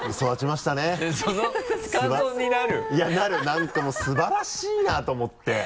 何とも素晴らしいなと思って。